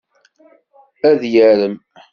Ad yarem.